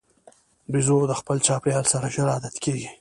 بیزو د خپل چاپېریال سره ژر عادت کېږي.